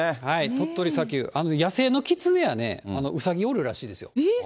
鳥取砂丘、野生のキツネやウサギおるらしいですよ。